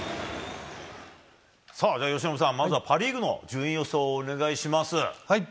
さあ、由伸さんパ・リーグの順位予想をお願いします。